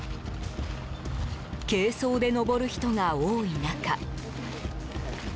軽装で登る人が多い中